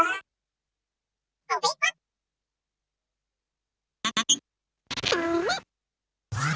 oke kita bisa mulai